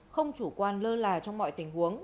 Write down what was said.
không chủ quan lơ là trong mọi tình huống